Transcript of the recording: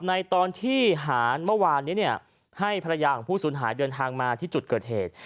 ในตอนที่หารเมื่อวานนี้ให้ภรรยาของผู้สูญหายเดินทางมาที่จุดเกิดเหตุ